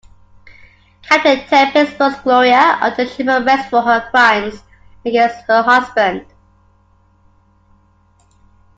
Captain Tempest puts Gloria under ship arrest for her crimes against her husband.